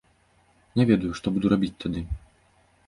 Не ведаю, што буду рабіць тады.